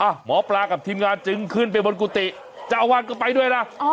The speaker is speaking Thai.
หมอปลากับทีมงานจึงขึ้นไปบนกุฏิเจ้าอาวาสก็ไปด้วยนะ